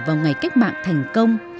vào ngày cách mạng thành công